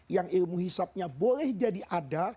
yang ilmu hisapnya boleh jadi ada